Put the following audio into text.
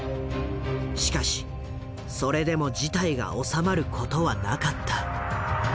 しかしそれでも事態が収まることはなかった。